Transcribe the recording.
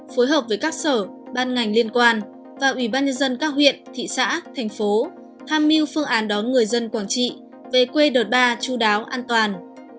phối hợp với các sở ban ngành liên quan và ubnd các huyện thị xã thành phố tham mưu phương án đón người dân quảng trị về quê đợt ba chú đáo an toàn